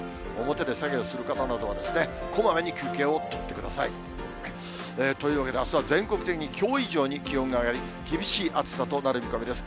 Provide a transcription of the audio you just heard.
表で作業する方などはこまめに休憩を取ってください。というわけで、あすは全国的にきょう以上に気温が上がり、厳しい暑さとなる見込みです。